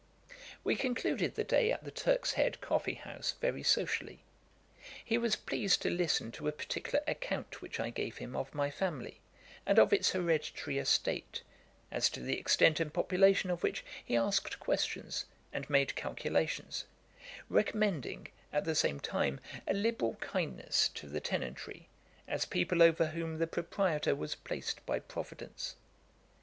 We concluded the day at the Turk's Head coffee house very socially. He was pleased to listen to a particular account which I gave him of my family, and of its hereditary estate, as to the extent and population of which he asked questions, and made calculations; recommending, at the same time, a liberal kindness to the tenantry, as people over whom the proprietor was placed by Providence.